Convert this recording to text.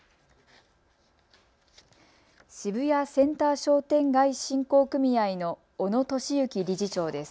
渋谷センター商店街振興組合の小野寿幸理事長です。